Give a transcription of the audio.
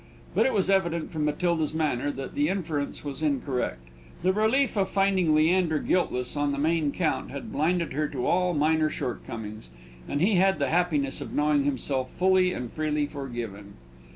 But it was evident from Matilda's manner that the inference was incorrect; the relief of finding Leander guiltless on the main count had blinded her to all minor shortcomings, and he had the happiness of knowing himself fully and freely forgiven.